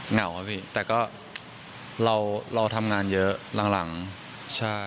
เหงาครับพี่แต่ก็เราทำงานเยอะหลังใช่